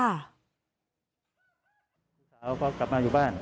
ลูกสาวก็กลับมาอยู่บ้าน